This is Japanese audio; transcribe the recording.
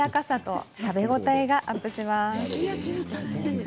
まろやかさと食べ応えがアップします。